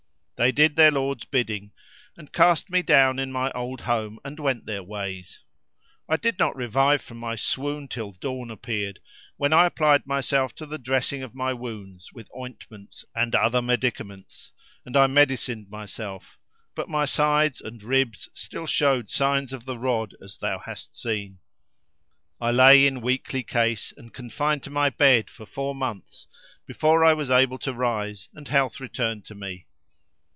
They did their lord's bidding and cast me down in my old home and went their ways. I did not revive from my swoon till dawn appeared, when I applied myself to the dressing of my wounds with ointments and other medicaments; and I medicined myself, but my sides and ribs still showed signs of the rod as thou hast seen. I lay in weakly case and confined to my bed for four months before I was able to rise and health returned to me.